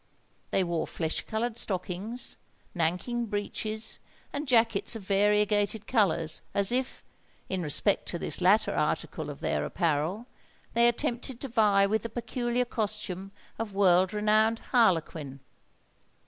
They wore flesh coloured stockings, nankin breeches, and jackets of variegated colours, as if, in respect to this latter article of their apparel, they attempted to vie with the peculiar costume of world renowned Harlequin.